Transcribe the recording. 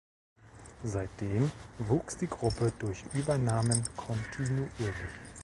Seitdem wuchs die Gruppe durch Übernahmen kontinuierlich.